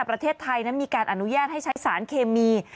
ประเทศไทยนั้นมีการอนุญาตให้ใช้สารเคมี